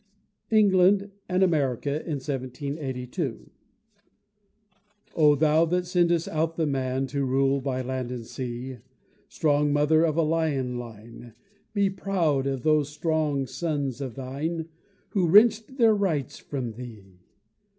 ENGLAND AND AMERICA IN 1782 O Thou, that sendest out the man To rule by land and sea, Strong mother of a Lion line, Be proud of those strong sons of thine Who wrench'd their rights from thee!